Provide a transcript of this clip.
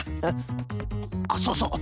あっそうそう。